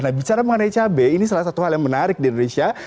nah bicara mengenai cabai ini salah satu hal yang menarik di indonesia